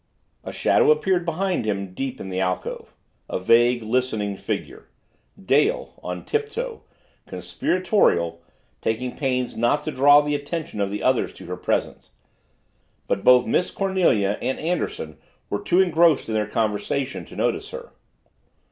A shadow appeared behind him deep in the alcove a vague, listening figure Dale on tiptoe, conspiratorial, taking pains not to draw the attention of the others to her presence. But both Miss Cornelia and Anderson were too engrossed in their conversation to notice her.